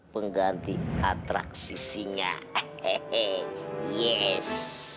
pengganti atraksisinya hehehe yes